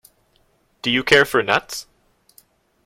Do you care for nuts?